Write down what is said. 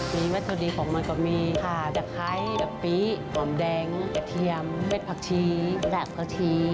มีวัตถุดีของมันก็มีผ่าจักไคร้ปี๊หอมแดงกระเทียมเว็ดผักชีแหลกกระที